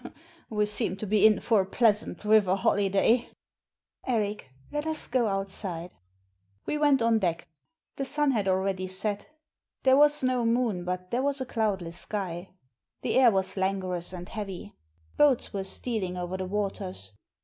" We seem to be in for a pleasant river holiday." Eric, let us get outside." We went on deck. The sun had already set There was no moon, but there was a cloudless sky. The air was languorous and heavy. Boats were stealing over the waters.